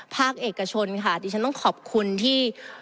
ภาคเอกชนค่ะดิฉันต้องขอบคุณที่